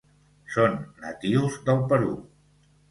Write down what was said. Són natius del Perú.